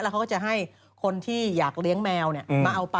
เขาก็จะให้คนที่อยากเลี้ยงแมวมาเอาปลา